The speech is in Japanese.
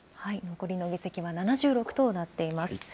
残りの議席は７６となっています。